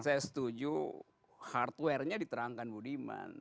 saya setuju hardware nya diterangkan budiman